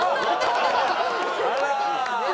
あら。